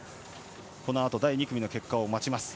このあと第２組の結果を待ちます。